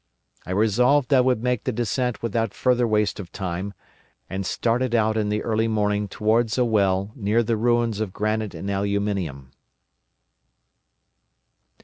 I resolved I would make the descent without further waste of time, and started out in the early morning towards a well near the ruins of granite and aluminium.